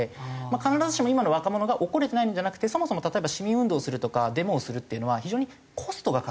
必ずしも今の若者が怒れてないのではなくてそもそも例えば市民運動をするとかデモをするっていうのは非常にコストがかかる。